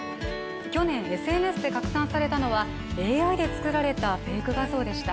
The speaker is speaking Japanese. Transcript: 去年、ＳＮＳで拡散されたのはＡＩで作られたフェイク画像でした。